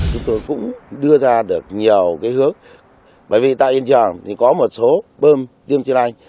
chúng tôi cũng đưa ra được nhiều cái hước bởi vì tại hiện trường thì có một số bơm tiêm tri lạnh